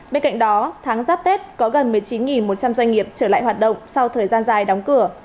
bên cạnh đó tháng giáp tết có gần một mươi chín một trăm linh doanh nghiệp trở lại hoạt động sau thời gian dài đóng cửa